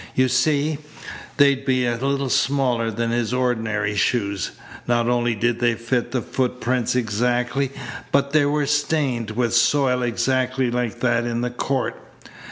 You see, they'd be a little smaller than his ordinary shoes. Not only did they fit the footprints exactly, but they were stained with soil exactly like that in the court.